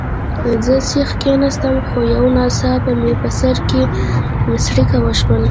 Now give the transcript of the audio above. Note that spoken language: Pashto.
زه سیخ کښېناستم، خو یو ناڅاپه مې په سر کې څړیکه وشول.